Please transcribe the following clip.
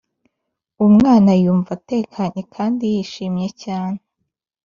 Umwana Yumva Atekanye Kandi Yishimye Cyane